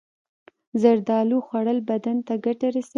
زردالو خوړل بدن ته ګټه رسوي.